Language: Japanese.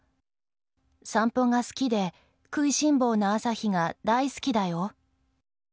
散歩が好きで食いしん坊な朝陽が大好きだよ。